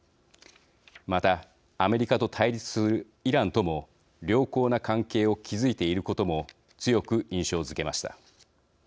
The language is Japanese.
また、アメリカと対立するイランとも良好な関係を築いていることも強く印象づけました。